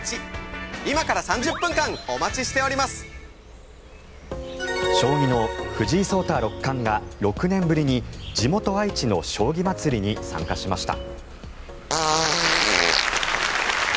ぷはーっ将棋の藤井聡太六冠が６年ぶりに地元・愛知の将棋まつりに参加しました。